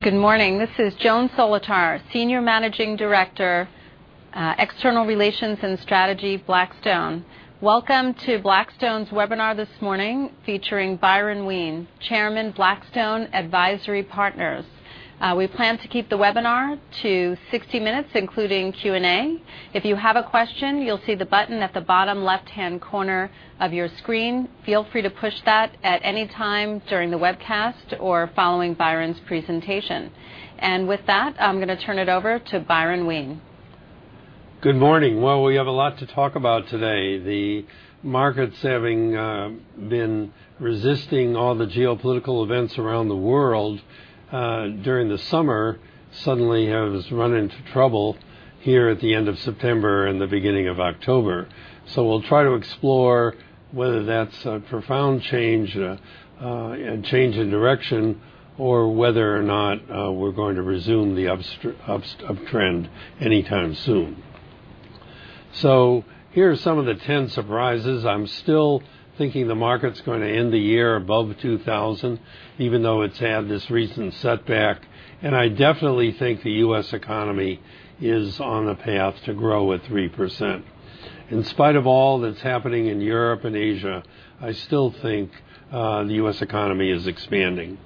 Good morning. This is Joan Solotar, Senior Managing Director, External Relations and Strategy, Blackstone. Welcome to Blackstone's webinar this morning featuring Byron Wien, Chairman, Blackstone Advisory Partners. We plan to keep the webinar to 60 minutes, including Q&A. If you have a question, you'll see the button at the bottom left-hand corner of your screen. Feel free to push that at any time during the webcast or following Byron's presentation. With that, I'm going to turn it over to Byron Wien. Good morning. Well, we have a lot to talk about today. The markets, having been resisting all the geopolitical events around the world during the summer, suddenly have run into trouble here at the end of September and the beginning of October. We'll try to explore whether that's a profound change in direction or whether or not we're going to resume the uptrend anytime soon. Here are some of the 10 surprises. I'm still thinking the market's going to end the year above 2,000, even though it's had this recent setback, and I definitely think the U.S. economy is on a path to grow at 3%. In spite of all that's happening in Europe and Asia, I still think the U.S. economy is expanding.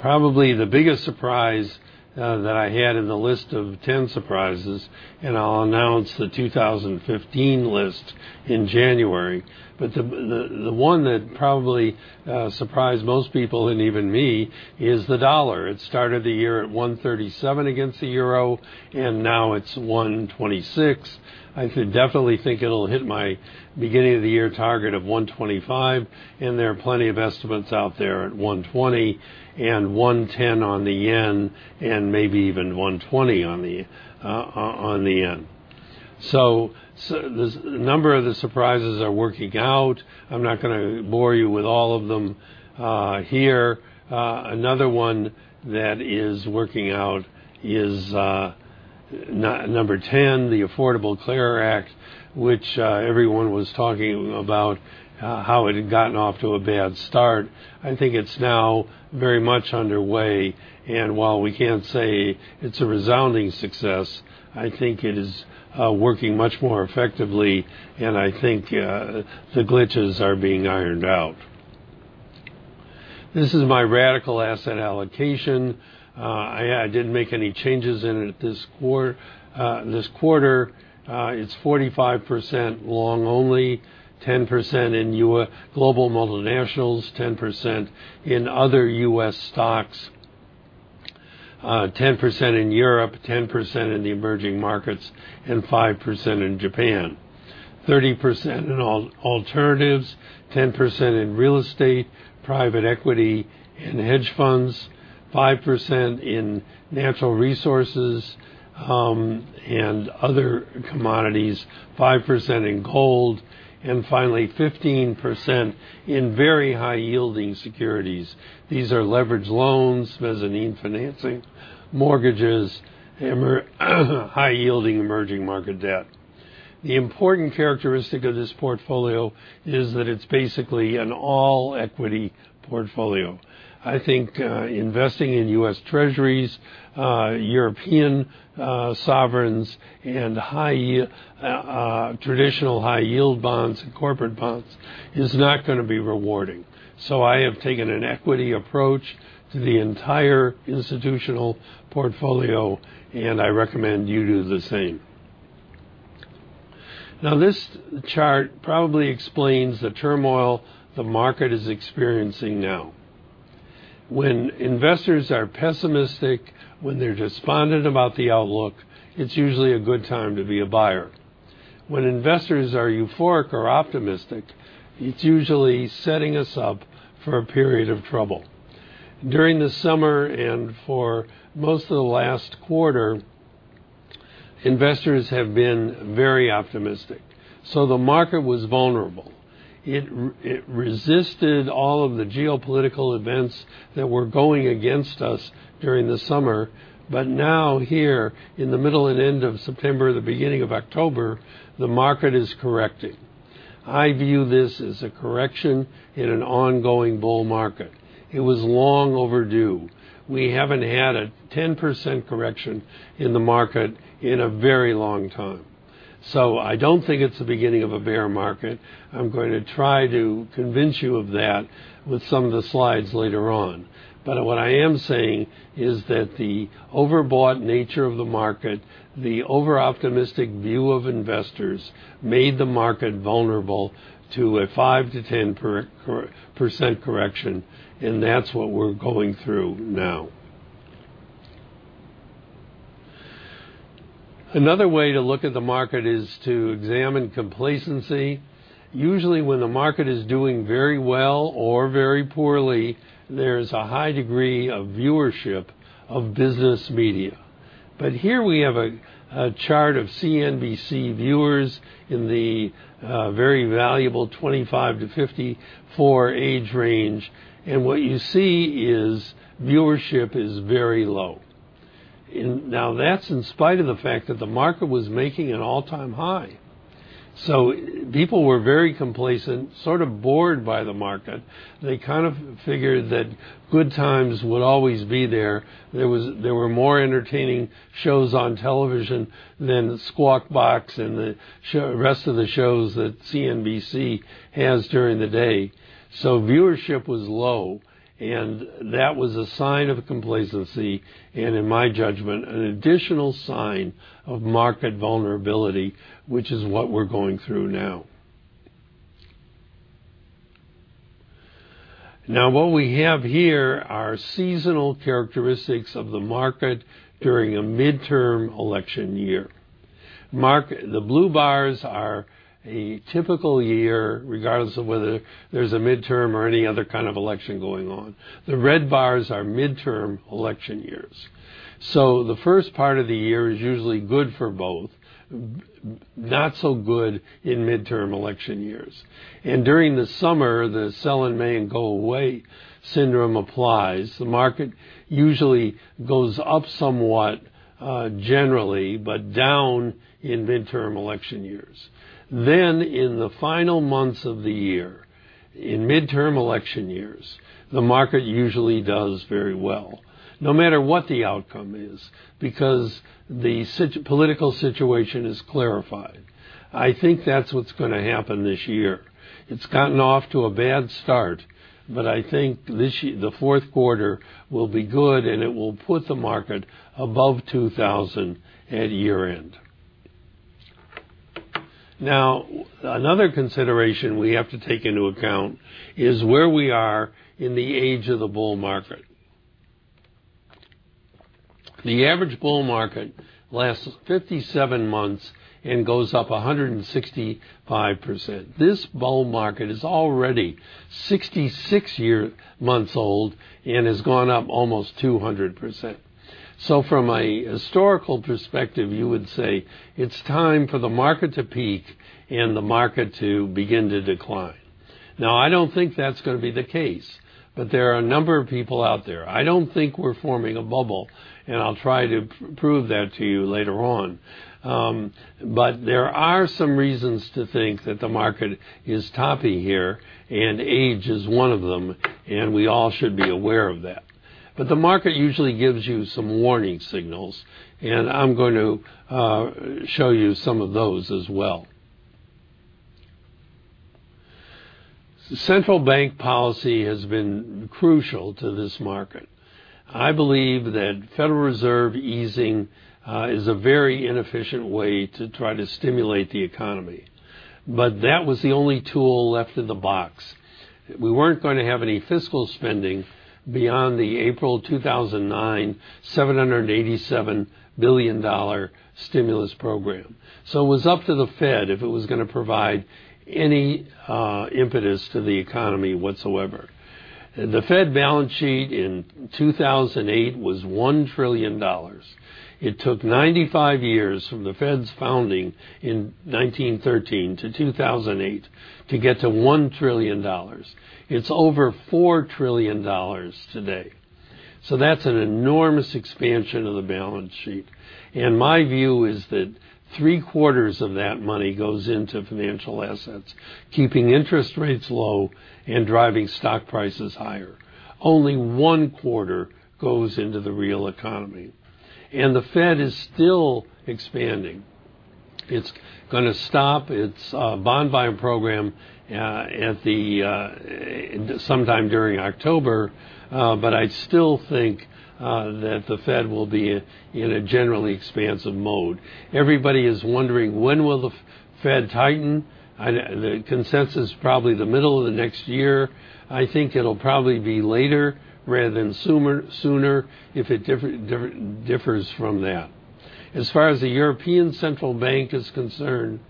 Probably the biggest surprise that I had in the list of 10 surprises, I'll announce the 2015 list in January, but the one that probably surprised most people, and even me, is the dollar. It started the year at $1.37 against the EUR, and now it's $1.26. I definitely think it'll hit my beginning of the year target of $1.25, and there are plenty of estimates out there at $1.20, and 110 on the yen, and maybe even 120 on the yen. A number of the surprises are working out. I'm not going to bore you with all of them here. Another one that is working out is number 10, the Affordable Care Act, which everyone was talking about how it had gotten off to a bad start. I think it's now very much underway, while we can't say it's a resounding success, I think it is working much more effectively, the glitches are being ironed out. This is my radical asset allocation. I didn't make any changes in it this quarter. It's 45% long only, 10% in global multinationals, 10% in other U.S. stocks, 10% in Europe, 10% in the emerging markets, and 5% in Japan. 30% in alternatives, 10% in real estate, private equity, and hedge funds, 5% in natural resources and other commodities, 5% in gold, and finally, 15% in very high-yielding securities. These are leveraged loans, mezzanine financing, mortgages, and high-yielding emerging market debt. The important characteristic of this portfolio is that it's basically an all-equity portfolio. I think investing in U.S. Treasuries, European sovereigns, and traditional high-yield bonds and corporate bonds is not going to be rewarding. I have taken an equity approach to the entire institutional portfolio, and I recommend you do the same. This chart probably explains the turmoil the market is experiencing now. When investors are pessimistic, when they're despondent about the outlook, it's usually a good time to be a buyer. When investors are euphoric or optimistic, it's usually setting us up for a period of trouble. During the summer and for most of the last quarter, investors have been very optimistic, so the market was vulnerable. It resisted all of the geopolitical events that were going against us during the summer, but now here in the middle and end of September, the beginning of October, the market is correcting. I view this as a correction in an ongoing bull market. It was long overdue. We haven't had a 10% correction in the market in a very long time. I don't think it's the beginning of a bear market. I'm going to try to convince you of that with some of the slides later on. What I am saying is that the overbought nature of the market, the over-optimistic view of investors, made the market vulnerable to a 5%-10% correction, and that's what we're going through now. Another way to look at the market is to examine complacency. Usually, when the market is doing very well or very poorly, there's a high degree of viewership of business media. Here we have a chart of CNBC viewers in the very valuable 25-54 age range, and what you see is viewership is very low. That's in spite of the fact that the market was making an all-time high. People were very complacent, sort of bored by the market. They kind of figured that good times would always be there. There were more entertaining shows on television than Squawk Box and the rest of the shows that CNBC has during the day. Viewership was low, and that was a sign of complacency, and in my judgment, an additional sign of market vulnerability, which is what we're going through now. What we have here are seasonal characteristics of the market during a midterm election year. The blue bars are a typical year, regardless of whether there's a midterm or any other kind of election going on. The red bars are midterm election years. The first part of the year is usually good for both, not so good in midterm election years. During the summer, the sell in May and go away syndrome applies. The market usually goes up somewhat, generally, but down in midterm election years. In the final months of the year, in midterm election years, the market usually does very well no matter what the outcome is, because the political situation is clarified. I think that's what's going to happen this year. It's gotten off to a bad start, but I think the fourth quarter will be good, and it will put the market above 2,000 at year-end. Another consideration we have to take into account is where we are in the age of the bull market. The average bull market lasts 57 months and goes up 165%. This bull market is already 66 months old and has gone up almost 200%. From a historical perspective, you would say it's time for the market to peak and the market to begin to decline. I don't think that's going to be the case, but there are a number of people out there. I don't think we're forming a bubble, and I'll try to prove that to you later on. There are some reasons to think that the market is topping here, and age is one of them, and we all should be aware of that. The market usually gives you some warning signals, and I'm going to show you some of those as well. Central bank policy has been crucial to this market. I believe that Federal Reserve easing is a very inefficient way to try to stimulate the economy. That was the only tool left in the box. We weren't going to have any fiscal spending beyond the April 2009, $787 billion stimulus program. It was up to the Fed if it was going to provide any impetus to the economy whatsoever. The Fed balance sheet in 2008 was $1 trillion. It took 95 years from the Fed's founding in 1913 to 2008 to get to $1 trillion. It's over $4 trillion today. That's an enormous expansion of the balance sheet. My view is that three-quarters of that money goes into financial assets, keeping interest rates low and driving stock prices higher. Only one quarter goes into the real economy. The Fed is still expanding. It's going to stop its bond buying program sometime during October, but I still think that the Fed will be in a generally expansive mode. Everybody is wondering, when will the Fed tighten? The consensus, probably the middle of next year. I think it'll probably be later rather than sooner if it differs from that. As far as the European Central Bank is concerned,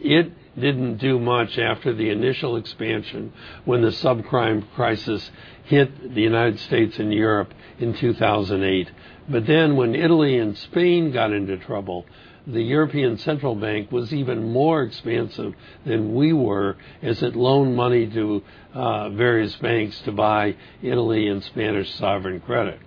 it didn't do much after the initial expansion when the subprime crisis hit the U.S. and Europe in 2008. When Italy and Spain got into trouble, the European Central Bank was even more expansive than we were as it loaned money to various banks to buy Italy and Spanish sovereign credit.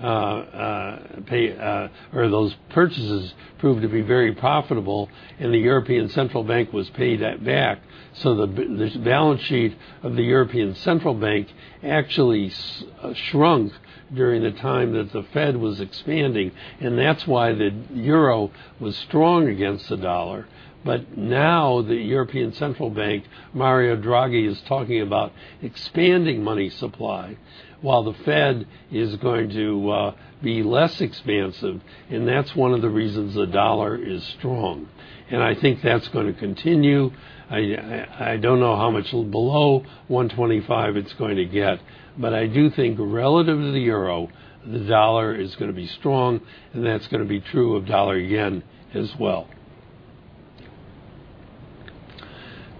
Those purchases proved to be very profitable, and the European Central Bank was paid that back. The balance sheet of the European Central Bank actually shrunk during the time that the Fed was expanding, and that's why the euro was strong against the dollar. Now the European Central Bank, Mario Draghi, is talking about expanding money supply while the Fed is going to be less expansive, and that's one of the reasons the dollar is strong. I think that's going to continue. I don't know how much below 125 it's going to get, but I do think relative to the euro, the dollar is going to be strong, and that's going to be true of dollar yen as well.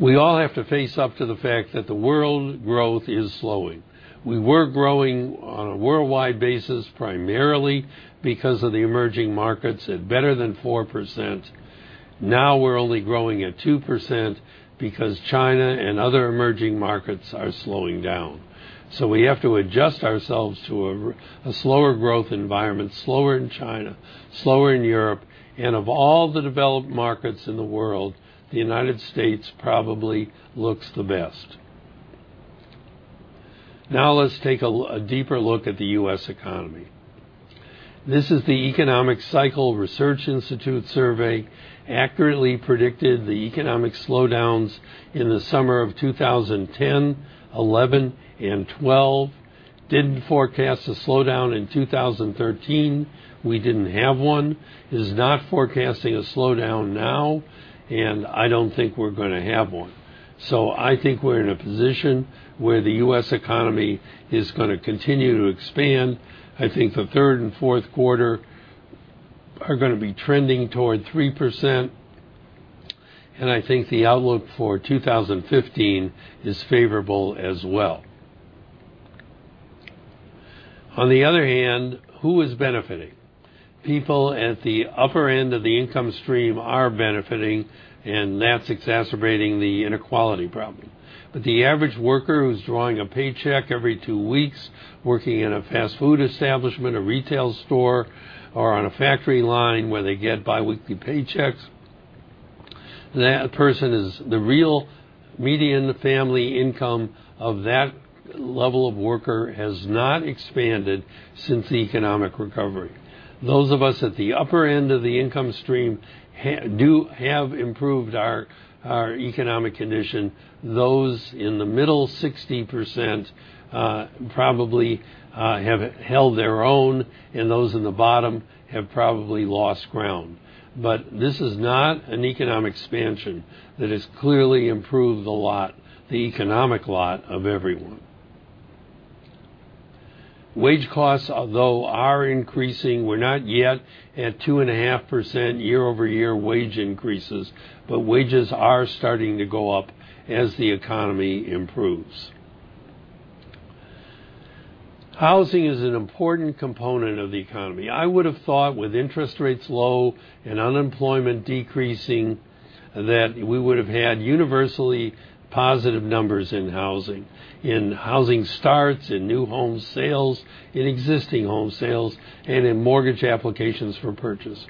We all have to face up to the fact that the world growth is slowing. We were growing on a worldwide basis, primarily because of the emerging markets at better than 4%. We're only growing at 2% because China and other emerging markets are slowing down. We have to adjust ourselves to a slower growth environment, slower in China, slower in Europe, and of all the developed markets in the world, the U.S. probably looks the best. Let's take a deeper look at the U.S. economy. This is the Economic Cycle Research Institute survey, accurately predicted the economic slowdowns in the summer of 2010, 2011, and 2012. Didn't forecast a slowdown in 2013. We didn't have one. Is not forecasting a slowdown now. I don't think we're going to have one. I think we're in a position where the U.S. economy is going to continue to expand. I think the third and fourth quarter are going to be trending toward 3%, and I think the outlook for 2015 is favorable as well. On the other hand, who is benefiting? People at the upper end of the income stream are benefiting, and that's exacerbating the inequality problem. The average worker who's drawing a paycheck every two weeks, working in a fast food establishment, a retail store, or on a factory line where they get biweekly paychecks, the real median family income of that level of worker has not expanded since the economic recovery. Those of us at the upper end of the income stream have improved our economic condition. Those in the middle 60%, probably have held their own, and those in the bottom have probably lost ground. This is not an economic expansion that has clearly improved the economic lot of everyone. Wage costs, although, are increasing, we're not yet at 2.5% year-over-year wage increases, but wages are starting to go up as the economy improves. Housing is an important component of the economy. I would have thought with interest rates low and unemployment decreasing, that we would have had universally positive numbers in housing, in housing starts, in new home sales, in existing home sales, and in mortgage applications for purchase.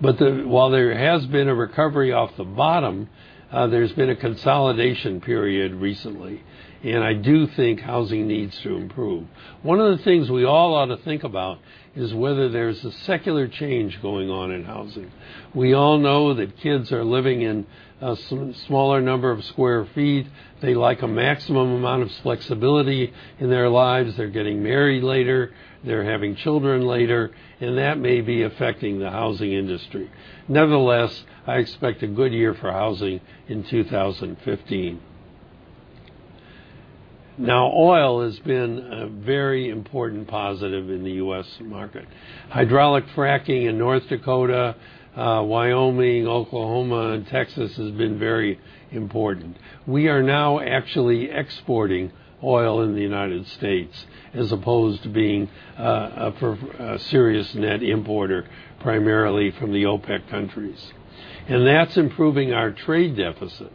While there has been a recovery off the bottom, there's been a consolidation period recently, and I do think housing needs to improve. One of the things we all ought to think about is whether there's a secular change going on in housing. We all know that kids are living in a smaller number of square feet. They like a maximum amount of flexibility in their lives. They're getting married later, they're having children later, and that may be affecting the housing industry. Nevertheless, I expect a good year for housing in 2015. Oil has been a very important positive in the U.S. market. hydraulic fracking in North Dakota, Wyoming, Oklahoma, and Texas has been very important. We are now actually exporting oil in the U.S. as opposed to being a serious net importer, primarily from the OPEC countries. That's improving our trade deficit,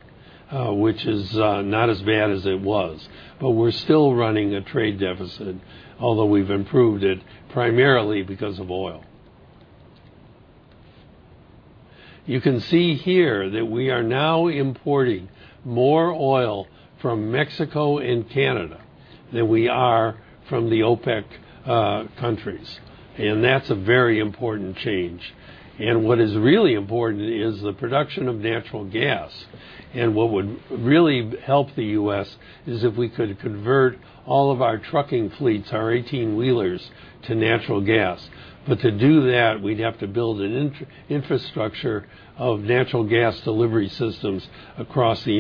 which is not as bad as it was, but we're still running a trade deficit, although we've improved it primarily because of oil. You can see here that we are now importing more oil from Mexico and Canada than we are from the OPEC countries. That's a very important change. What is really important is the production of natural gas, and what would really help the U.S. is if we could convert all of our trucking fleets, our 18-wheelers, to natural gas. To do that, we'd have to build an infrastructure of natural gas delivery systems across the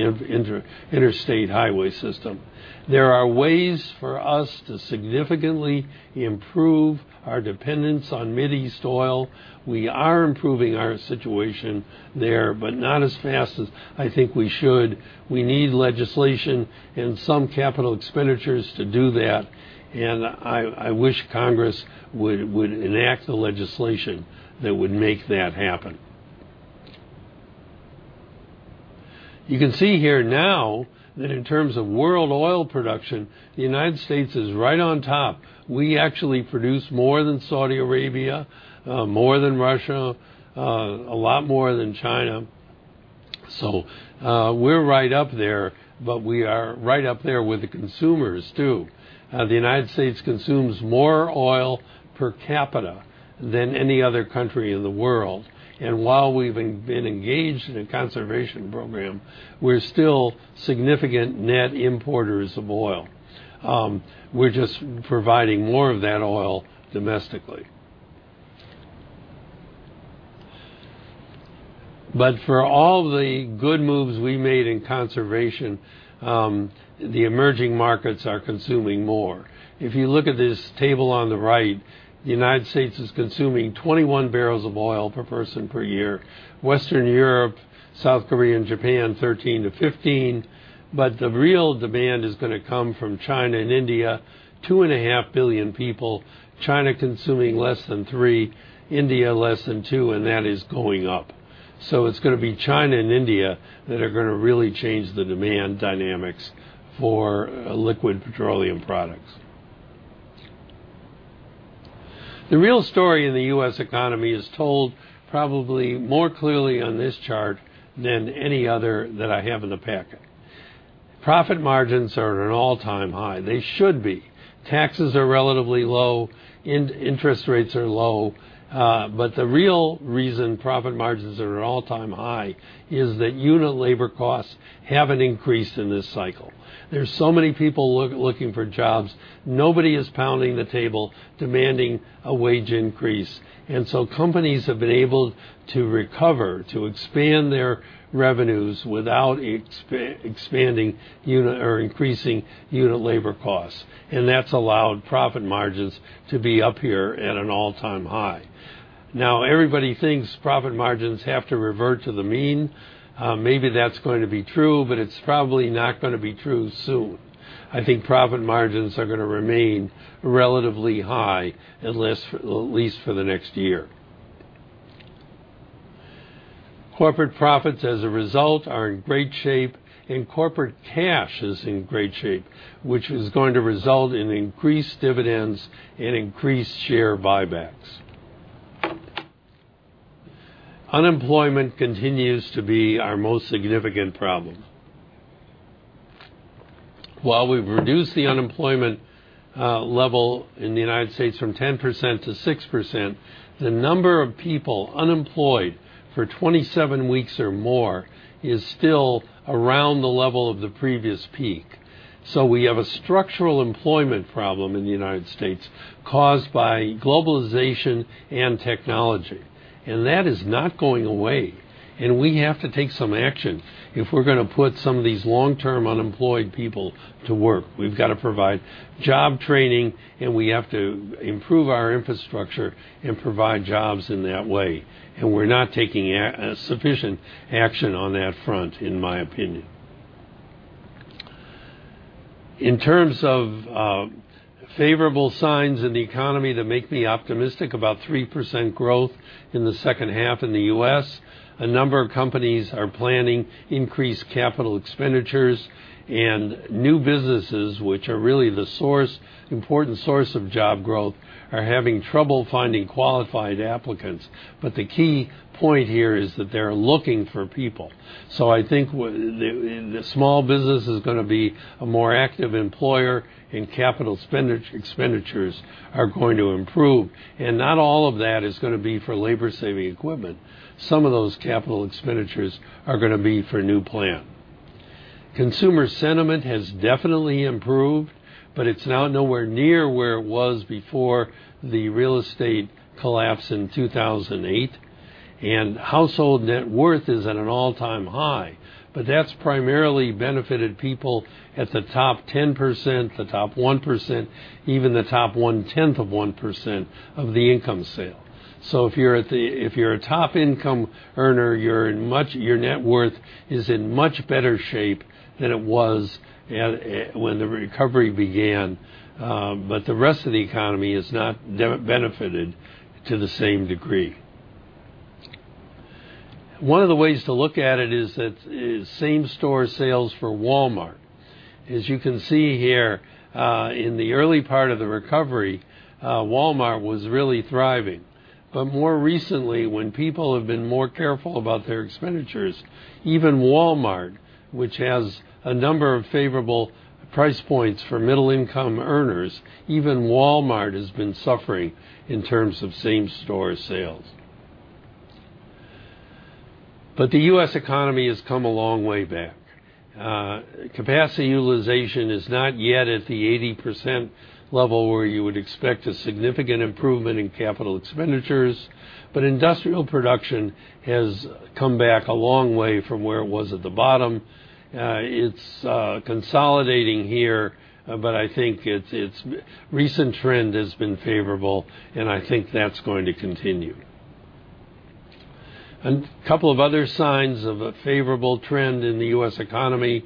interstate highway system. There are ways for us to significantly improve our dependence on Mideast oil. We are improving our situation there, but not as fast as I think we should. We need legislation and some capital expenditures to do that, and I wish Congress would enact the legislation that would make that happen. You can see here now that in terms of world oil production, the U.S. is right on top. We actually produce more than Saudi Arabia, more than Russia, a lot more than China. We're right up there, but we are right up there with the consumers, too. The U.S. consumes more oil per capita than any other country in the world. While we've been engaged in a conservation program, we're still significant net importers of oil. We're just providing more of that oil domestically. For all the good moves we made in conservation, the emerging markets are consuming more. If you look at this table on the right, the U.S. is consuming 21 barrels of oil per person per year. Western Europe, South Korea, and Japan, 13 to 15. The real demand is going to come from China and India, 2.5 billion people. China consuming less than three, India less than two, that is going up. It's going to be China and India that are going to really change the demand dynamics for liquid petroleum products. The real story in the U.S. economy is told probably more clearly on this chart than any other that I have in the packet. Profit margins are at an all-time high. They should be. Taxes are relatively low, interest rates are low. The real reason profit margins are at an all-time high is that unit labor costs haven't increased in this cycle. There's so many people looking for jobs. Nobody is pounding the table demanding a wage increase. Companies have been able to recover, to expand their revenues without expanding or increasing unit labor costs, and that's allowed profit margins to be up here at an all-time high. Now, everybody thinks profit margins have to revert to the mean. Maybe that's going to be true, but it's probably not going to be true soon. I think profit margins are going to remain relatively high, at least for the next year. Corporate profits, as a result, are in great shape, and corporate cash is in great shape, which is going to result in increased dividends and increased share buybacks. Unemployment continues to be our most significant problem. While we've reduced the unemployment level in the U.S. from 10%-6%, the number of people unemployed for 27 weeks or more is still around the level of the previous peak. We have a structural employment problem in the U.S. caused by globalization and technology, that is not going away. We have to take some action if we're going to put some of these long-term unemployed people to work. We've got to provide job training, we have to improve our infrastructure and provide jobs in that way. We're not taking sufficient action on that front, in my opinion. In terms of favorable signs in the economy that make me optimistic about 3% growth in the second half in the U.S., a number of companies are planning increased capital expenditures, new businesses, which are really the important source of job growth, are having trouble finding qualified applicants. The key point here is that they're looking for people. I think small business is going to be a more active employer and capital expenditures are going to improve. Not all of that is going to be for labor-saving equipment. Some of those capital expenditures are going to be for new plan. Consumer sentiment has definitely improved, but it's now nowhere near where it was before the real estate collapse in 2008. Household net worth is at an all-time high, but that's primarily benefited people at the top 10%, the top 1%, even the top one-tenth of 1% of the income scale. If you're a top income earner, your net worth is in much better shape than it was when the recovery began. The rest of the economy has not benefited to the same degree. One of the ways to look at it is same-store sales for Walmart. As you can see here, in the early part of the recovery, Walmart was really thriving. More recently, when people have been more careful about their expenditures, even Walmart, which has a number of favorable price points for middle income earners, even Walmart has been suffering in terms of same-store sales. The U.S. economy has come a long way back. Capacity utilization is not yet at the 80% level where you would expect a significant improvement in capital expenditures, but industrial production has come back a long way from where it was at the bottom. It's consolidating here, but I think its recent trend has been favorable, and I think that's going to continue. A couple of other signs of a favorable trend in the U.S. economy.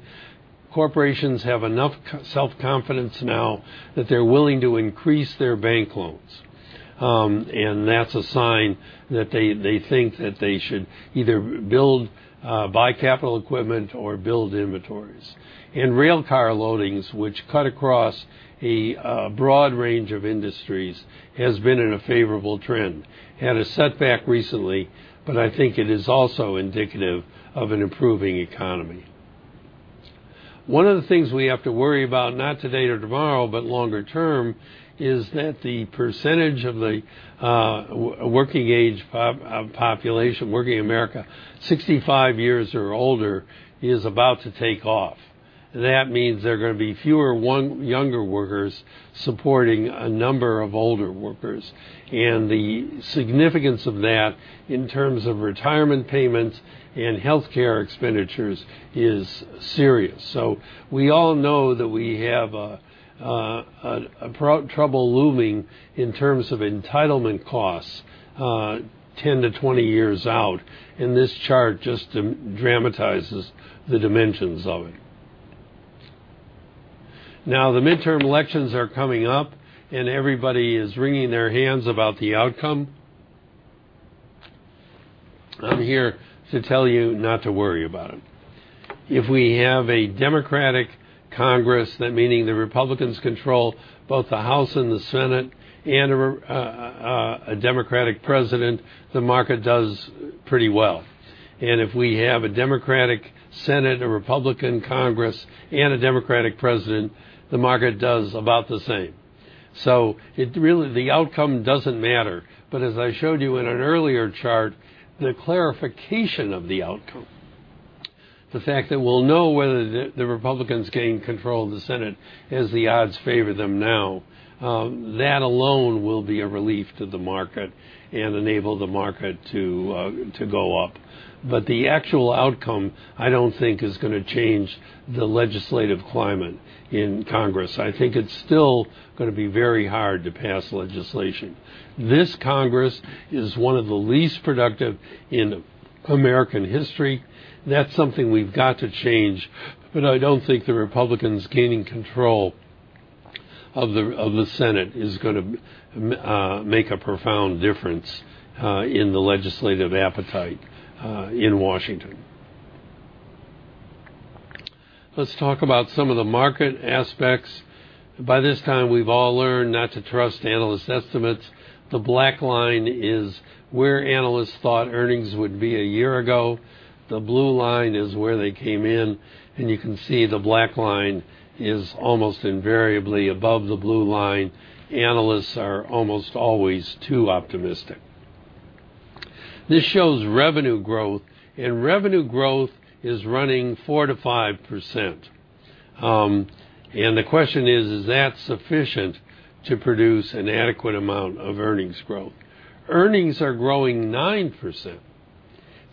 Corporations have enough self-confidence now that they're willing to increase their bank loans, and that's a sign that they think that they should either buy capital equipment or build inventories. Rail car loadings, which cut across a broad range of industries, has been in a favorable trend. Had a setback recently, but I think it is also indicative of an improving economy. One of the things we have to worry about, not today or tomorrow, but longer term, is that the percentage of the working age population, working America 65 years or older is about to take off. That means there are going to be fewer younger workers supporting a number of older workers. The significance of that in terms of retirement payments and healthcare expenditures is serious. We all know that we have trouble looming in terms of entitlement costs 10 to 20 years out, and this chart just dramatizes the dimensions of it. The midterm elections are coming up and everybody is wringing their hands about the outcome. I'm here to tell you not to worry about it. If we have a Democratic Congress, that meaning the Republicans control both the House and the Senate and a Democratic president, the market does pretty well. If we have a Democratic Senate, a Republican Congress, and a Democratic president, the market does about the same. Really, the outcome doesn't matter. As I showed you in an earlier chart, the clarification of the outcome, the fact that we'll know whether the Republicans gain control of the Senate, as the odds favor them now, that alone will be a relief to the market and enable the market to go up. The actual outcome, I don't think is going to change the legislative climate in Congress. I think it's still going to be very hard to pass legislation. This Congress is one of the least productive in American history. That's something we've got to change, but I don't think the Republicans gaining control of the Senate is going to make a profound difference in the legislative appetite in Washington. Let's talk about some of the market aspects. By this time, we've all learned not to trust analyst estimates. The black line is where analysts thought earnings would be a year ago. The blue line is where they came in, and you can see the black line is almost invariably above the blue line. Analysts are almost always too optimistic. This shows revenue growth, and revenue growth is running 4%-5%. The question is: is that sufficient to produce an adequate amount of earnings growth? Earnings are growing 9%,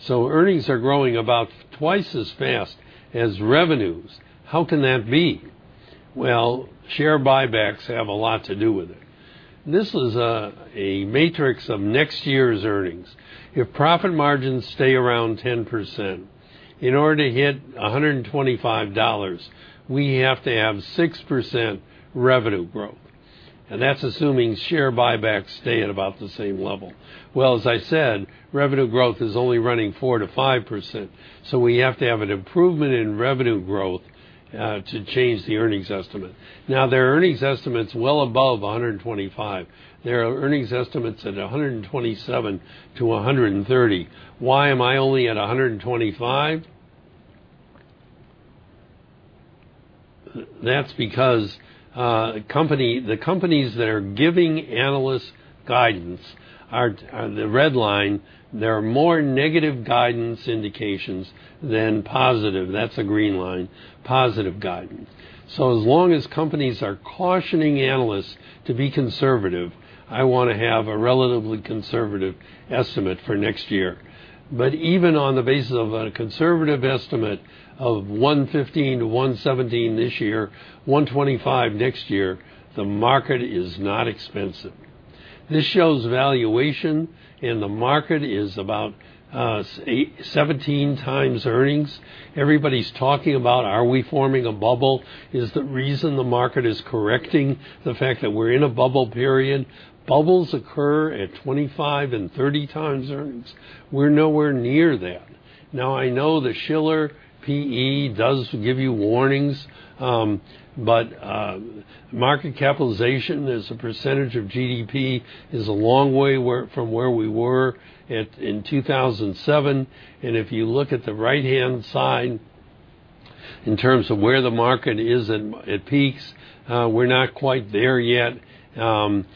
so earnings are growing about twice as fast as revenues. How can that be? Well, share buybacks have a lot to do with it. This is a matrix of next year's earnings. If profit margins stay around 10%, in order to hit $125, we have to have 6% revenue growth, and that's assuming share buybacks stay at about the same level. Well, as I said, revenue growth is only running 4%-5%, so we have to have an improvement in revenue growth, to change the earnings estimate. Their earnings estimate's well above 125. Their earnings estimate's at 127-130. Why am I only at 125? That's because the companies that are giving analysts guidance, the red line, they're more negative guidance indications than positive, that's a green line, positive guidance. As long as companies are cautioning analysts to be conservative, I want to have a relatively conservative estimate for next year. Even on the basis of a conservative estimate of 115-117 this year, 125 next year, the market is not expensive. This shows valuation in the market is about 17 times earnings. Everybody's talking about, are we forming a bubble? Is the reason the market is correcting the fact that we're in a bubble period? Bubbles occur at 25 and 30 times earnings. We're nowhere near that. I know the Shiller P/E does give you warnings, but market capitalization as a percentage of GDP is a long way from where we were in 2007. If you look at the right-hand side in terms of where the market is at peaks, we're not quite there yet. That's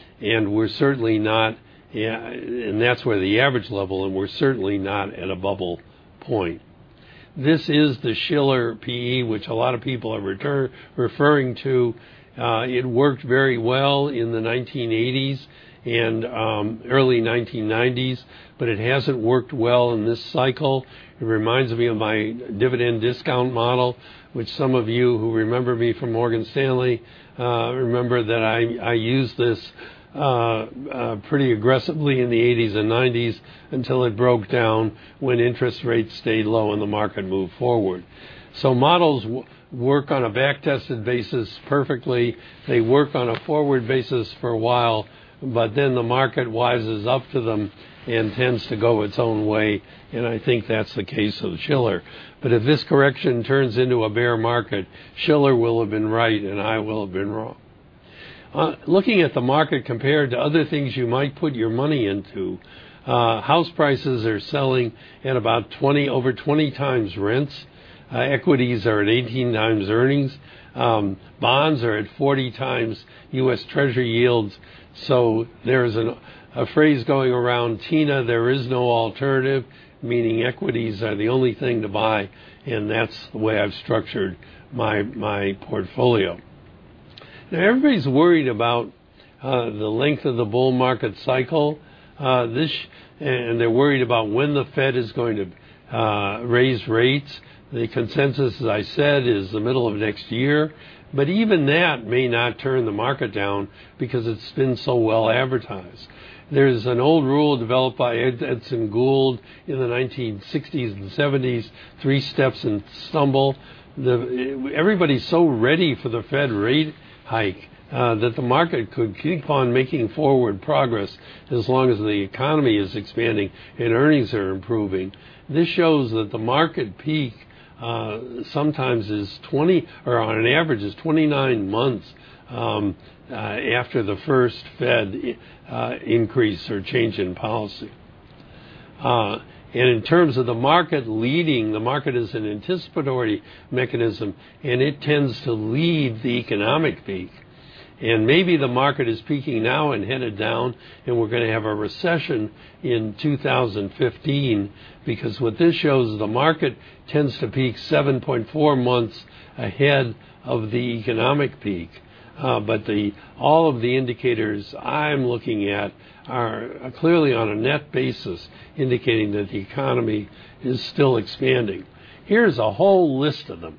where the average level is, and we're certainly not at a bubble point. This is the Shiller P/E, which a lot of people are referring to. It worked very well in the 1980s and early 1990s, but it hasn't worked well in this cycle. It reminds me of my dividend discount model, which some of you who remember me from Morgan Stanley, remember that I used this pretty aggressively in the 80s and 90s until it broke down when interest rates stayed low and the market moved forward. Models work on a back-tested basis perfectly. They work on a forward basis for a while, but then the market wises up to them and tends to go its own way, and I think that's the case with Shiller. If this correction turns into a bear market, Shiller will have been right, and I will have been wrong. Looking at the market compared to other things you might put your money into, house prices are selling at about over 20 times rents. Equities are at 18 times earnings. Bonds are at 40 times U.S. Treasury yields. There is a phrase going around, TINA, there is no alternative, meaning equities are the only thing to buy, and that's the way I've structured my portfolio. Everybody's worried about the length of the bull market cycle, and they're worried about when the Fed is going to raise rates. The consensus, as I said, is the middle of next year. Even that may not turn the market down because it's been so well advertised. There's an old rule developed by Edson Gould in the 1960s and '70s, three steps and a stumble. Everybody's so ready for the Fed rate hike, that the market could keep on making forward progress as long as the economy is expanding and earnings are improving. This shows that the market peak. Sometimes on an average, it's 29 months after the first Fed increase or change in policy. In terms of the market leading, the market is an anticipatory mechanism, and it tends to lead the economic peak. Maybe the market is peaking now and headed down, and we're going to have a recession in 2015, because what this shows is the market tends to peak 7.4 months ahead of the economic peak. All of the indicators I'm looking at are clearly on a net basis indicating that the economy is still expanding. Here's a whole list of them.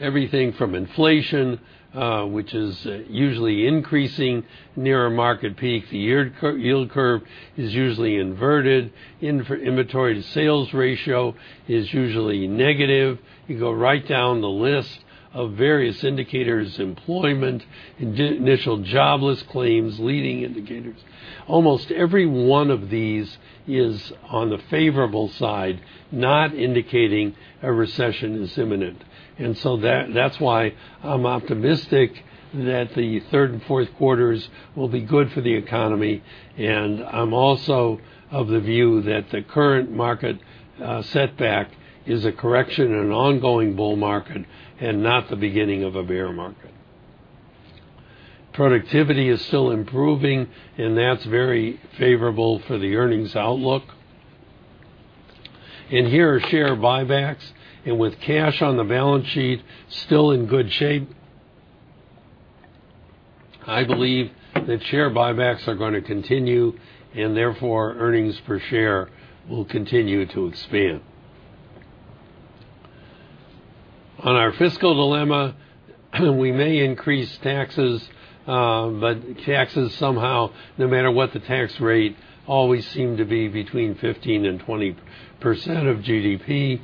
Everything from inflation, which is usually increasing near a market peak. The yield curve is usually inverted. Inventory to sales ratio is usually negative. You go right down the list of various indicators, employment, initial jobless claims, leading indicators. Almost every one of these is on the favorable side, not indicating a recession is imminent. That's why I'm optimistic that the third and fourth quarters will be good for the economy, and I'm also of the view that the current market setback is a correction in an ongoing bull market and not the beginning of a bear market. Productivity is still improving, and that's very favorable for the earnings outlook. Here are share buybacks, and with cash on the balance sheet still in good shape, I believe that share buybacks are going to continue, and therefore, earnings per share will continue to expand. On our fiscal dilemma, we may increase taxes, but taxes somehow, no matter what the tax rate, always seem to be between 15% and 20% of GDP.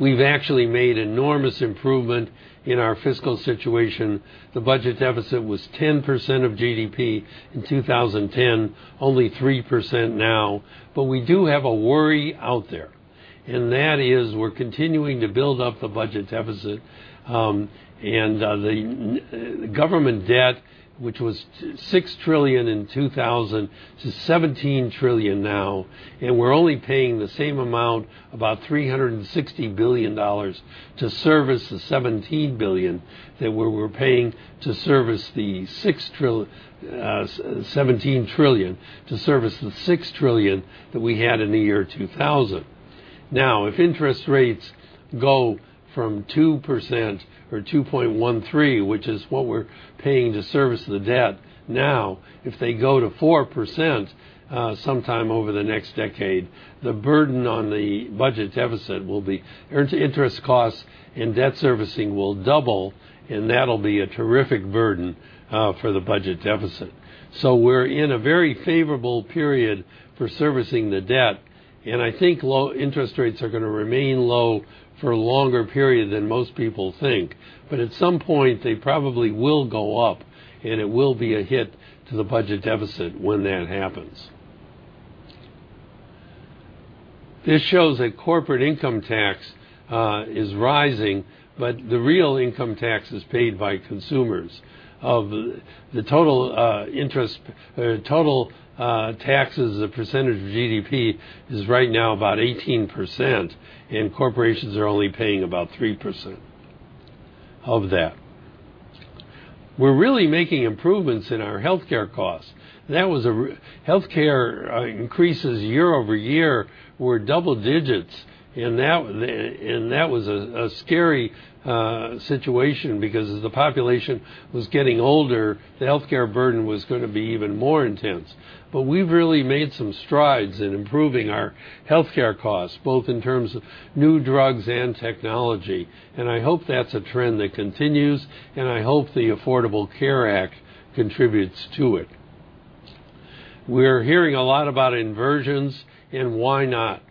We've actually made enormous improvement in our fiscal situation. The budget deficit was 10% of GDP in 2010, only 3% now. We do have a worry out there, and that is we're continuing to build up the budget deficit. The government debt, which was $6 trillion in 2000 to $17 trillion now, and we're only paying the same amount, about $360 billion, to service the $17 trillion that we were paying to service the $6 trillion that we had in the year 2000. If interest rates go from 2% or 2.13%, which is what we're paying to service the debt now, if they go to 4% sometime over the next decade, the burden on the budget deficit will be interest costs and debt servicing will double, and that'll be a terrific burden for the budget deficit. We're in a very favorable period for servicing the debt, I think interest rates are going to remain low for a longer period than most people think. At some point, they probably will go up, and it will be a hit to the budget deficit when that happens. This shows that corporate income tax is rising, but the real income tax is paid by consumers. Of the total taxes, the percentage of GDP is right now about 18%, and corporations are only paying about 3% of that. We're really making improvements in our healthcare costs. Healthcare increases year-over-year were double digits, and that was a scary situation because as the population was getting older, the healthcare burden was going to be even more intense. We've really made some strides in improving our healthcare costs, both in terms of new drugs and technology, and I hope that's a trend that continues, and I hope the Affordable Care Act contributes to it. We're hearing a lot about inversions. Why not.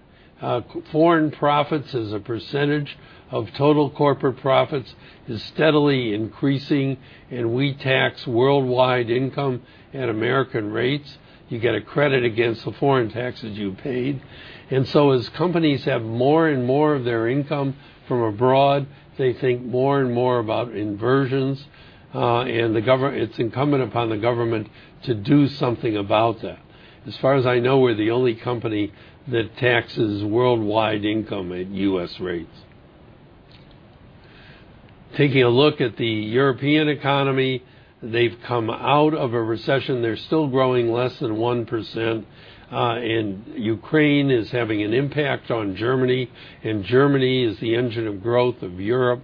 Foreign profits as a percentage of total corporate profits is steadily increasing. We tax worldwide income at American rates. You get a credit against the foreign taxes you paid. As companies have more and more of their income from abroad, they think more and more about inversions. It's incumbent upon the government to do something about that. As far as I know, we're the only company that taxes worldwide income at U.S. rates. Taking a look at the European economy, they've come out of a recession. They're still growing less than 1%. Ukraine is having an impact on Germany. Germany is the engine of growth of Europe.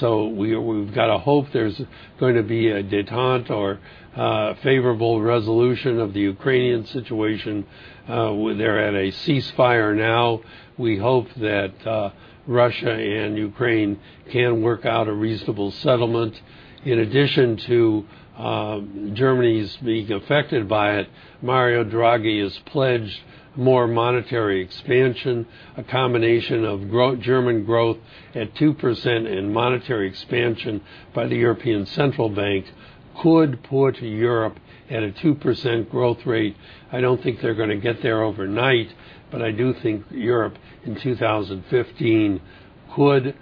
We've got to hope there's going to be a détente or a favorable resolution of the Ukrainian situation. They're at a ceasefire now. We hope that Russia and Ukraine can work out a reasonable settlement. In addition to Germany's being affected by it, Mario Draghi has pledged more monetary expansion. A combination of German growth at 2% and monetary expansion by the European Central Bank could pull to Europe at a 2% growth rate. I don't think they're going to get there overnight, but I do think Europe in 2015 could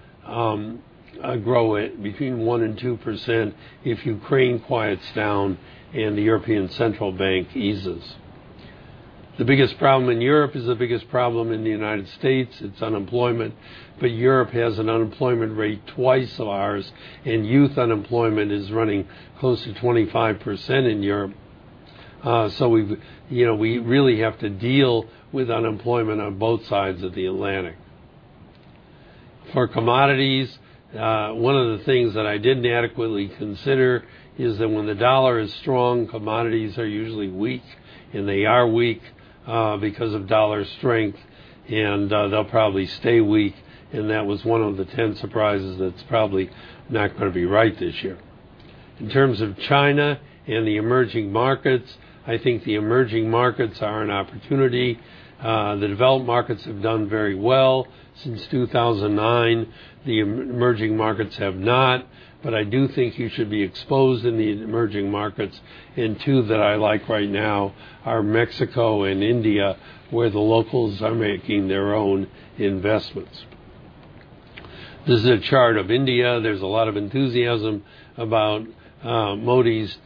grow between 1% and 2% if Ukraine quiets down and the European Central Bank eases. The biggest problem in Europe is the biggest problem in the United States, it's unemployment. Europe has an unemployment rate twice of ours. Youth unemployment is running close to 25% in Europe. We really have to deal with unemployment on both sides of the Atlantic. For commodities, one of the things that I didn't adequately consider is that when the dollar is strong, commodities are usually weak. They are weak because of dollar strength. They'll probably stay weak, and that was one of the 10 surprises that's probably not going to be right this year. In terms of China and the emerging markets, I think the emerging markets are an opportunity. The developed markets have done very well since 2009. The emerging markets have not. I do think you should be exposed in the emerging markets, and two that I like right now are Mexico and India, where the locals are making their own investments. This is a chart of India. There's a lot of enthusiasm about Modi's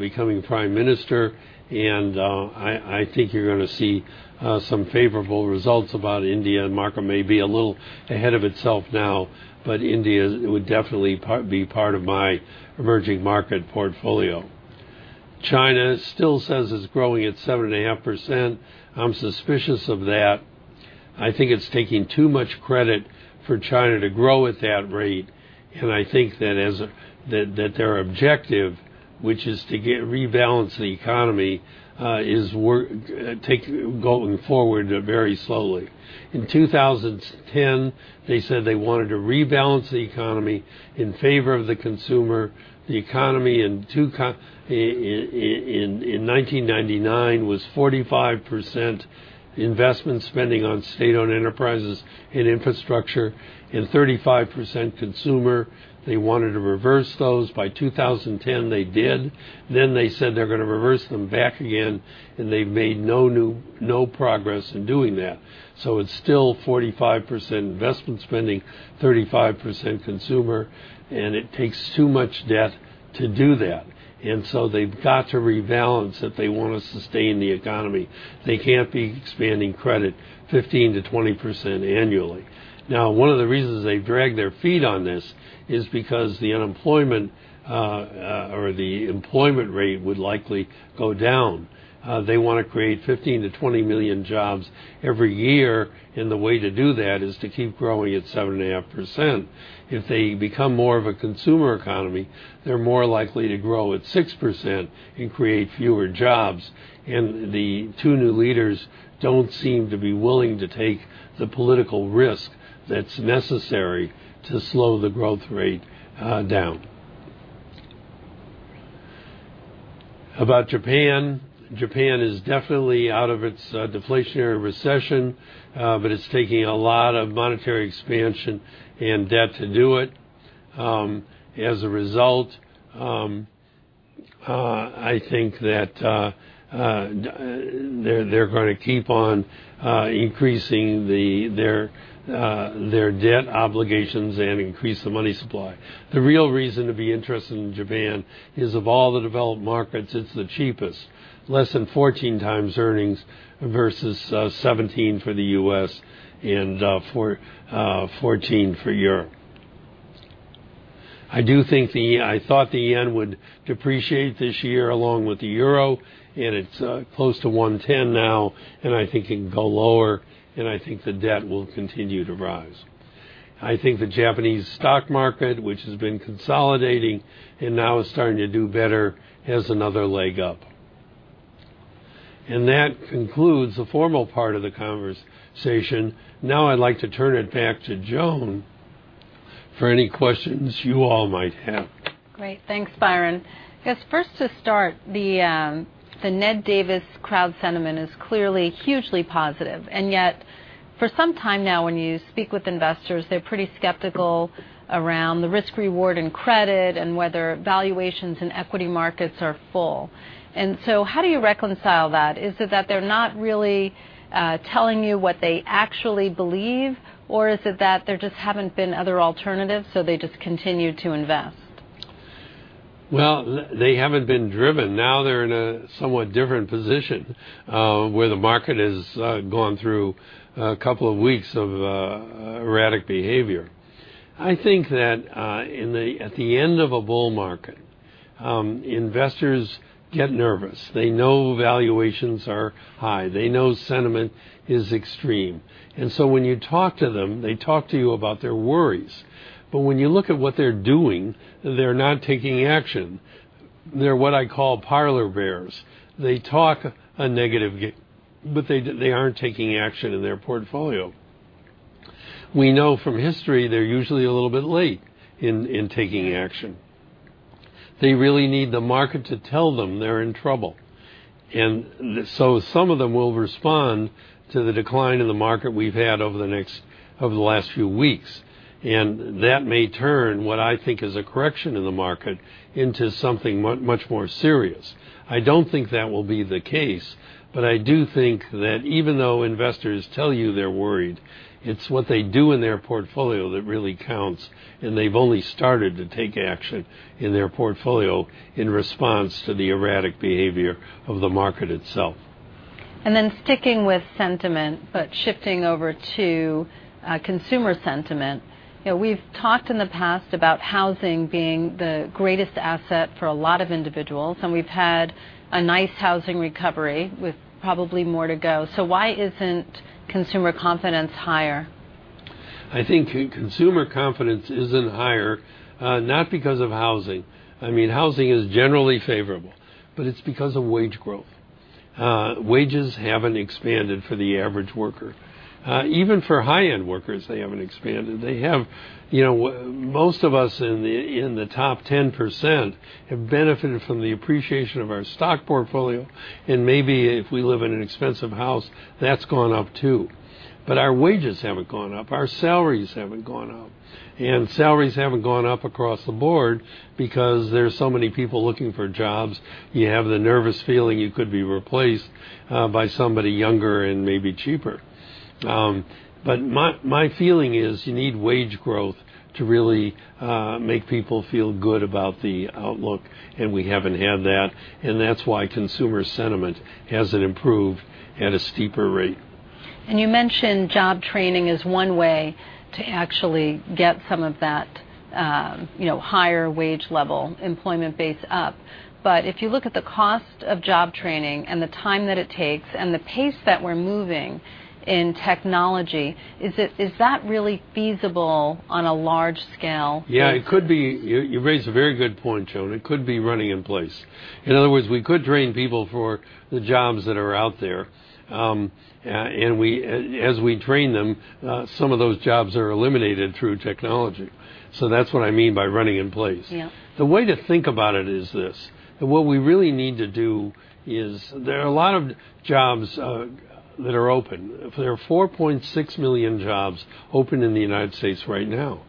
becoming prime minister, and I think you're going to see some favorable results about India. The market may be a little ahead of itself now, but India would definitely be part of my emerging market portfolio. China still says it's growing at 7.5%. I'm suspicious of that. I think it's taking too much credit for China to grow at that rate, and I think that their objective, which is to rebalance the economy, is going forward very slowly. In 2010, they said they wanted to rebalance the economy in favor of the consumer. The economy, in 1999, was 45% investment spending on state-owned enterprises and infrastructure, and 35% consumer. They wanted to reverse those. By 2010, they did. They said they're going to reverse them back again, and they've made no progress in doing that. It's still 45% investment spending, 35% consumer, and it takes too much debt to do that. They've got to rebalance if they want to sustain the economy. They can't be expanding credit 15%-20% annually. One of the reasons they drag their feet on this is because the unemployment or the employment rate would likely go down. They want to create 15 million to 20 million jobs every year, and the way to do that is to keep growing at 7.5%. If they become more of a consumer economy, they're more likely to grow at 6% and create fewer jobs. The two new leaders don't seem to be willing to take the political risk that's necessary to slow the growth rate down. About Japan. Japan is definitely out of its deflationary recession, but it's taking a lot of monetary expansion and debt to do it. As a result, I think that they're going to keep on increasing their debt obligations and increase the money supply. The real reason to be interested in Japan is of all the developed markets, it's the cheapest. Less than 14x earnings versus 17 for the U.S. and 14 for Europe. I thought the JPY would depreciate this year along with the EUR, and it's close to 110 now, and I think it can go lower, and I think the debt will continue to rise. I think the Japanese stock market, which has been consolidating and now is starting to do better, has another leg up. That concludes the formal part of the conversation. I'd like to turn it back to Joan for any questions you all might have. Great. Thanks, Byron. I guess first to start, the Ned Davis crowd sentiment is clearly hugely positive, and yet for some time now, when you speak with investors, they're pretty skeptical around the risk-reward and credit and whether valuations in equity markets are full. How do you reconcile that? Is it that they're not really telling you what they actually believe, or is it that there just haven't been other alternatives, so they just continue to invest? They haven't been driven. Now they're in a somewhat different position, where the market has gone through a couple of weeks of erratic behavior. I think that at the end of a bull market, investors get nervous. They know valuations are high. They know sentiment is extreme. When you talk to them, they talk to you about their worries. When you look at what they're doing, they're not taking action. They're what I call parlor bears. They talk a negative game, but they aren't taking action in their portfolio. We know from history they're usually a little bit late in taking action. They really need the market to tell them they're in trouble. Some of them will respond to the decline in the market we've had over the last few weeks, and that may turn what I think is a correction in the market into something much more serious. I don't think that will be the case, but I do think that even though investors tell you they're worried, it's what they do in their portfolio that really counts, and they've only started to take action in their portfolio in response to the erratic behavior of the market itself. Sticking with sentiment, but shifting over to consumer sentiment. We've talked in the past about housing being the greatest asset for a lot of individuals, and we've had a nice housing recovery with probably more to go. Why isn't consumer confidence higher? I think consumer confidence isn't higher, not because of housing. Housing is generally favorable, but it's because of wage growth. Wages haven't expanded for the average worker. Even for high-end workers, they haven't expanded. Most of us in the top 10% have benefited from the appreciation of our stock portfolio, and maybe if we live in an expensive house, that's gone up too. Our wages haven't gone up, our salaries haven't gone up. Salaries haven't gone up across the board because there's so many people looking for jobs. You have the nervous feeling you could be replaced by somebody younger and maybe cheaper. My feeling is you need wage growth to really make people feel good about the outlook, and we haven't had that. That's why consumer sentiment hasn't improved at a steeper rate. You mentioned job training is one way to actually get some of that higher wage level employment base up. If you look at the cost of job training and the time that it takes and the pace that we're moving in technology, is that really feasible on a large scale basis? Yeah, you raise a very good point, Joan. It could be running in place. In other words, we could train people for the jobs that are out there. As we train them, some of those jobs are eliminated through technology. That's what I mean by running in place. Yeah. The way to think about it is this. What we really need to do is there are a lot of jobs that are open. There are $4.6 million jobs open in the United States right now.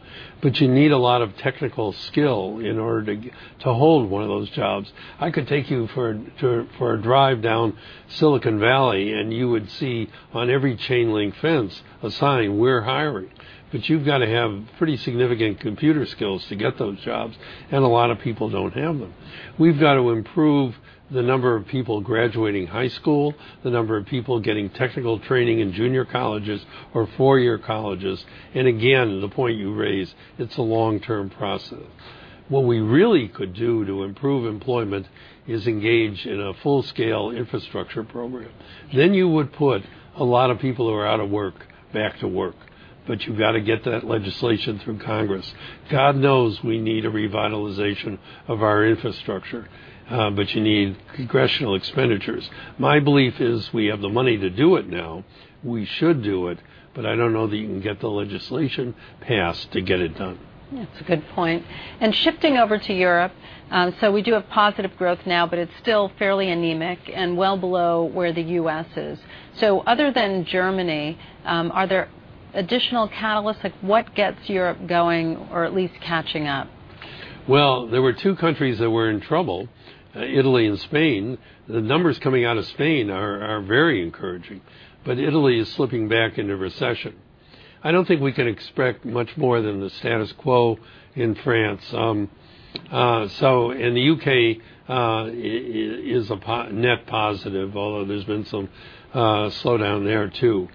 You need a lot of technical skill in order to hold one of those jobs. I could take you for a drive down Silicon Valley, and you would see on every chain link fence a sign, we're hiring. You've got to have pretty significant computer skills to get those jobs, and a lot of people don't have them. We've got to improve the number of people graduating high school, the number of people getting technical training in junior colleges or four-year colleges. Again, the point you raise, it's a long-term process. What we really could do to improve employment is engage in a full-scale infrastructure program. You would put a lot of people who are out of work back to work, you've got to get that legislation through Congress. God knows we need a revitalization of our infrastructure, you need congressional expenditures. My belief is we have the money to do it now. We should do it, I don't know that you can get the legislation passed to get it done. That's a good point. Shifting over to Europe, we do have positive growth now, but it's still fairly anemic and well below where the U.S. is. Other than Germany, are there additional catalysts? What gets Europe going or at least catching up? Well, there were two countries that were in trouble, Italy and Spain. The numbers coming out of Spain are very encouraging, but Italy is slipping back into recession. I don't think we can expect much more than the status quo in France. The U.K. is a net positive, although there's been some slowdown there, too.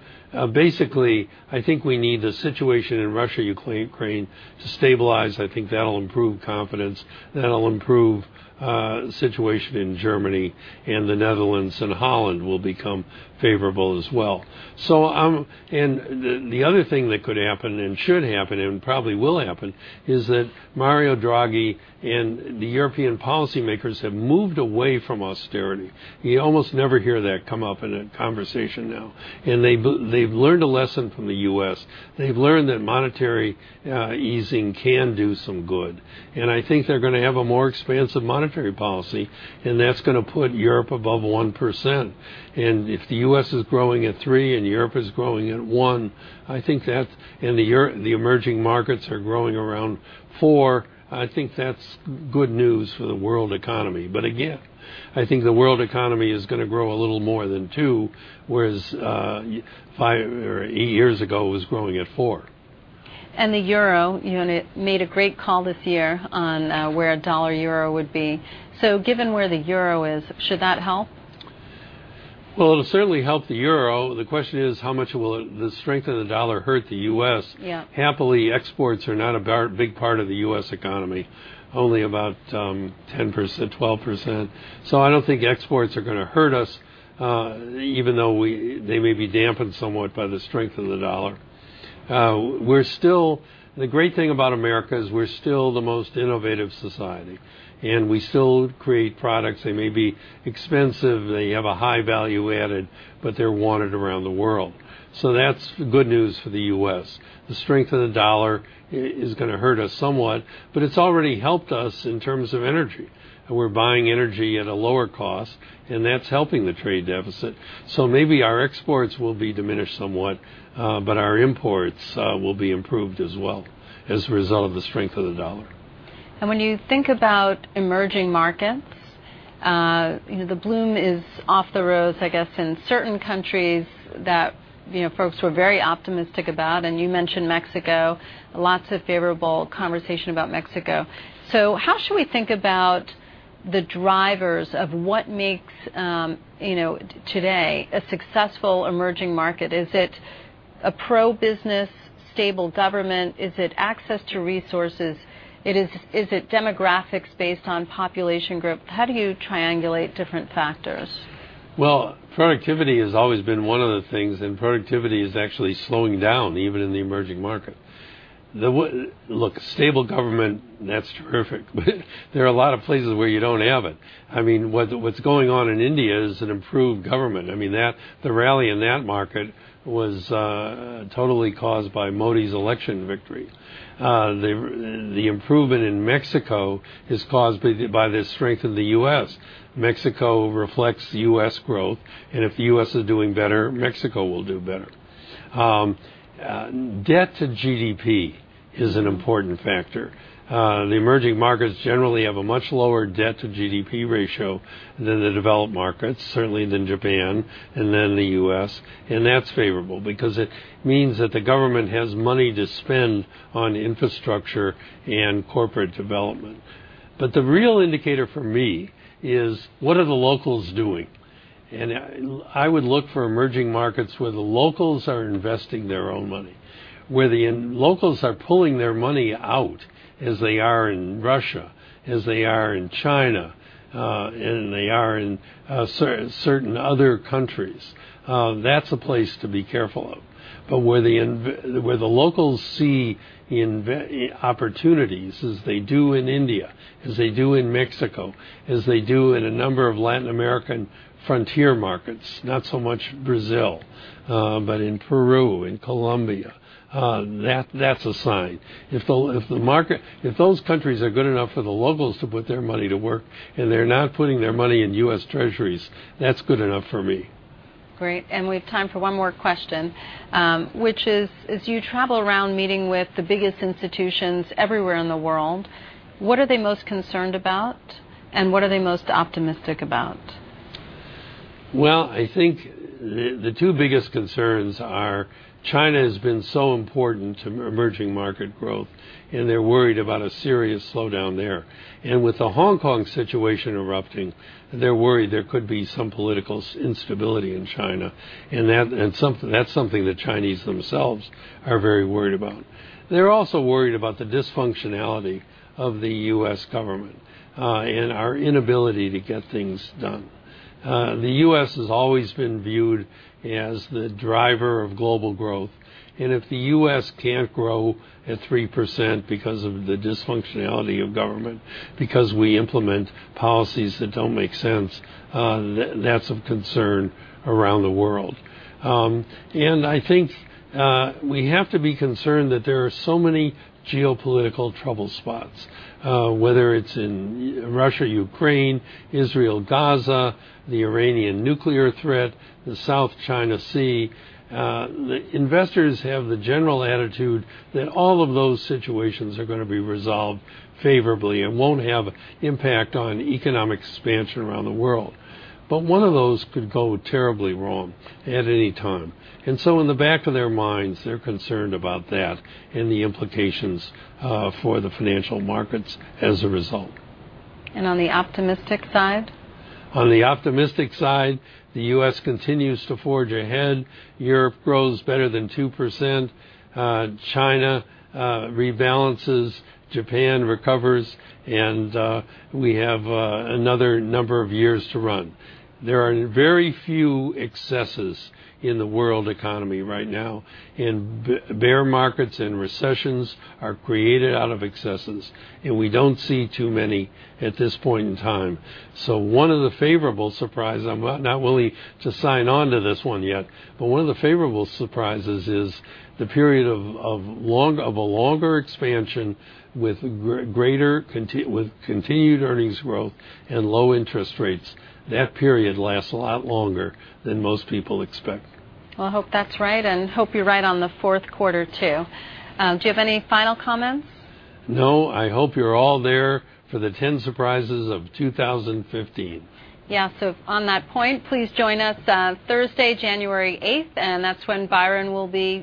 Basically, I think we need the situation in Russia, Ukraine to stabilize. I think that'll improve confidence. That'll improve the situation in Germany, and the Netherlands and Holland will become favorable as well. The other thing that could happen and should happen and probably will happen is that Mario Draghi and the European policymakers have moved away from austerity. You almost never hear that come up in a conversation now. They've learned a lesson from the U.S. They've learned that monetary easing can do some good. I think they're going to have a more expansive monetary policy, and that's going to put Europe above 1%. If the U.S. is growing at 3% and Europe is growing at 1%, and the emerging markets are growing around 4%, I think that's good news for the world economy. Again, I think the world economy is going to grow a little more than 2%, whereas five or eight years ago, it was growing at 4%. The euro, you made a great call this year on where a dollar-euro would be. Given where the euro is, should that help? Well, it'll certainly help the euro. The question is, how much will the strength of the dollar hurt the U.S.? Yeah. Happily, exports are not a big part of the U.S. economy, only about 10%, 12%. I don't think exports are going to hurt us, even though they may be dampened somewhat by the strength of the dollar. The great thing about America is we're still the most innovative society, and we still create products that may be expensive, they have a high value added, but they're wanted around the world. That's good news for the U.S. The strength of the dollar is going to hurt us somewhat, but it's already helped us in terms of energy. We're buying energy at a lower cost, and that's helping the trade deficit. Maybe our exports will be diminished somewhat, but our imports will be improved as well as a result of the strength of the dollar. When you think about emerging markets, the bloom is off the rose, I guess, in certain countries that folks were very optimistic about, and you mentioned Mexico. Lots of favorable conversation about Mexico. How should we think about the drivers of what makes, today, a successful emerging market? Is it a pro-business, stable government? Is it access to resources? Is it demographics based on population growth? How do you triangulate different factors? Well, productivity has always been one of the things, productivity is actually slowing down even in the emerging market. Look, stable government, that's terrific, but there are a lot of places where you don't have it. What's going on in India is an improved government. The rally in that market was totally caused by Modi's election victories. The improvement in Mexico is caused by the strength of the U.S. Mexico reflects U.S. growth, and if the U.S. is doing better, Mexico will do better. Debt to GDP is an important factor. The emerging markets generally have a much lower debt to GDP ratio than the developed markets, certainly than Japan and than the U.S. That's favorable because it means that the government has money to spend on infrastructure and corporate development. The real indicator for me is, what are the locals doing? I would look for emerging markets where the locals are investing their own money. Where the locals are pulling their money out, as they are in Russia, as they are in China, and they are in certain other countries. That's a place to be careful of. Where the locals see opportunities, as they do in India, as they do in Mexico, as they do in a number of Latin American frontier markets, not so much Brazil, but in Peru, in Colombia, that's a sign. If those countries are good enough for the locals to put their money to work and they're not putting their money in U.S. Treasuries, that's good enough for me. Great, we have time for one more question, which is, as you travel around meeting with the biggest institutions everywhere in the world, what are they most concerned about, and what are they most optimistic about? I think the two biggest concerns are China has been so important to emerging market growth, and they're worried about a serious slowdown there. With the Hong Kong situation erupting, they're worried there could be some political instability in China, and that's something the Chinese themselves are very worried about. They're also worried about the dysfunctionality of the U.S. government, and our inability to get things done. The U.S. has always been viewed as the driver of global growth, if the U.S. can't grow at 3% because of the dysfunctionality of government, because we implement policies that don't make sense, that's of concern around the world. I think we have to be concerned that there are so many geopolitical trouble spots, whether it's in Russia, Ukraine, Israel, Gaza, the Iranian nuclear threat, the South China Sea. Investors have the general attitude that all of those situations are going to be resolved favorably and won't have impact on economic expansion around the world. One of those could go terribly wrong at any time. In the back of their minds, they're concerned about that and the implications for the financial markets as a result. On the optimistic side? On the optimistic side, the U.S. continues to forge ahead, Europe grows better than 2%, China rebalances, Japan recovers, and we have another number of years to run. There are very few excesses in the world economy right now, and bear markets and recessions are created out of excesses, and we don't see too many at this point in time. One of the favorable surprise, I'm not willing to sign on to this one yet, but one of the favorable surprises is the period of a longer expansion with continued earnings growth and low interest rates. That period lasts a lot longer than most people expect. Well, I hope that's right, and hope you're right on the fourth quarter, too. Do you have any final comments? No. I hope you're all there for the 10 Surprises of 2015. Yeah. On that point, please join us Thursday, January 8th, and that's when Byron will be